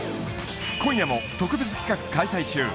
今夜も特別企画開催中！